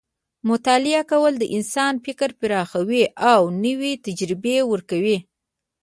مطالعه کول د انسان فکر پراخوي او نوې تجربې ورکوي.